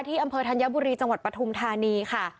อำเภอธัญบุรีจังหวัดปฐุมธานีค่ะ